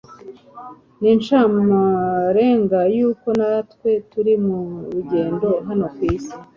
ni incamarenga y'uko natwe turi mu rugendo hano ku isi